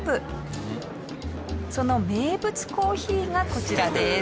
その名物コーヒーがこちらです。